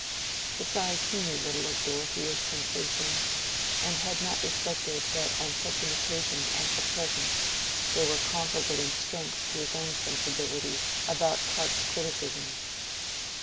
Besides, he knew little of Dorothea's sensations, and had not reflected that on such an occasion as the present they were comparable in strength to his own sensibilities about Carp's criticisms.